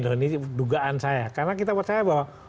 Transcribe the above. ini dugaan saya karena kita percaya bahwa